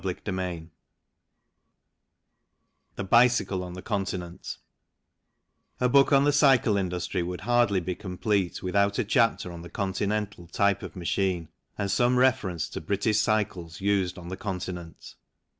CHAPTER XIV THE BICYCLE ON THE CONTINENT A BOOK on the cycle industry would hardly be complete without a chapter on the Continental type of machine and some reference to British cycles used on the Continent.